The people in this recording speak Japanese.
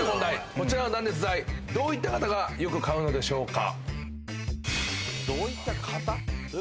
こちらの断熱材どういった方がよく買うのでしょうか？